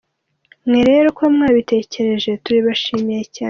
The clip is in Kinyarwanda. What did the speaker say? Mwe rero kuba mwabitekereje turabibashimiye cyane.